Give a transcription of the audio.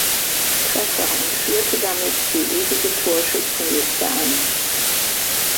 Treffer und führte damit die ewige Torschützenliste an.